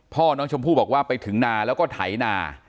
พ่อน้องชมพู่บอกว่าไปถึงนาแล้วก็ไถนา